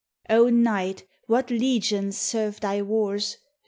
O Night, what legions serve thy wars!